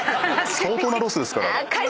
相当なロスですからあれ。